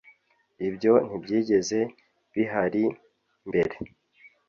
ibyo ntibyigeze bihari mbere